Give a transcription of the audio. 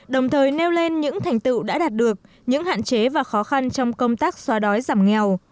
đồng thời nêu lên những thành tựu đã đạt được những hạn chế và khó khăn trong công tác xóa đói giảm nghèo